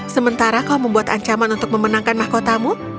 sementara kau membuat ancaman untuk memenangkan mahkotamu